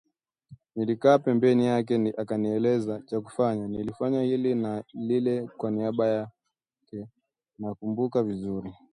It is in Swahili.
Nilikaa pembeni yake akinielekeza cha kufanya nilifanya hili na lile kwa niaba yake, nakumbuka vizuri